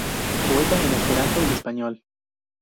Poeta en esperanto y español.